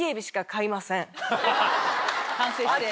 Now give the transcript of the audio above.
反省して。